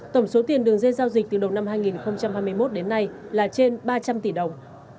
tổng số tiền đường dây giao dịch từ đầu năm hai nghìn hai mươi một đến nay là trên ba trăm linh tỷ đồng